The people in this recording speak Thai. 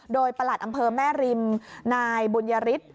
โดยประหลัดอำเภอแม่ริมนายบุญยฤทธิ์